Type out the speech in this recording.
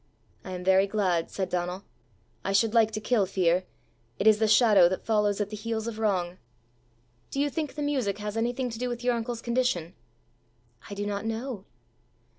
"I am very glad," said Donal. "I should like to kill fear; it is the shadow that follows at the heels of wrong. Do you think the music has anything to do with your uncle's condition?" "I do not know."